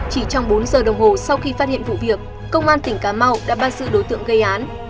chỉ trong bốn giờ đồng hồ sau khi phát hiện vụ việc công an tỉnh cà mau đã bắt sự đối tượng gây án